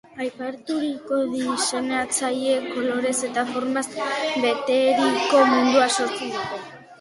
Aipaturiko diseinatzaileek kolorez eta formaz beteriko mundua sortu dute.